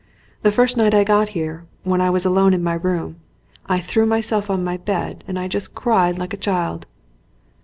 "The first night I got here, when I was alone in my room, I threw myself on my bed and I just cried like a child."